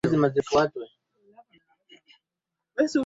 mia tisa themanini na sita alifanya kazi ya ualimu huko Lindi na tangu mwaka